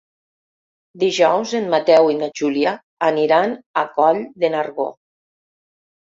Dijous en Mateu i na Júlia aniran a Coll de Nargó.